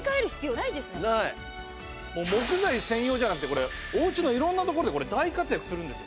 木材専用じゃなくてこれお家の色んな所で大活躍するんです。